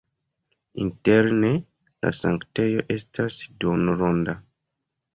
Interne la sanktejo estas duonronda.